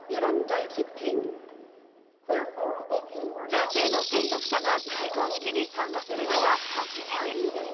女性の聖職者が戴冠式に参加するのは初めて。